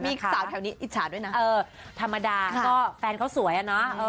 มีอีกสามแถวนี้อิจฉาดด้วยนะธรรมดาก็แฟนเขาสวยนะ